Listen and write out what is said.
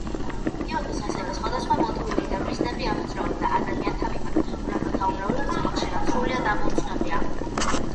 იოკაის ასევე სხვადასხვა მოტივები და მიზნები ამოძრავებთ ადამიანთა მიმართ, რომელთა უმრავლესობა ხშირად სრულიად ამოუცნობია.